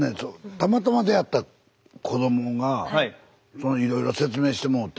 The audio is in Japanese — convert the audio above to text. たまたま出会った子どもがいろいろ説明してもうて。